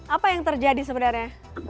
apa yang terjadi sebenarnya